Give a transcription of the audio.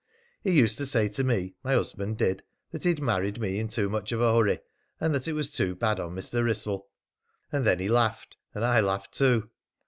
He used to say to me, my husband did, that he'd married me in too much of a hurry, and that it was too bad on Mr. Wrissell. And then he laughed, and I laughed too.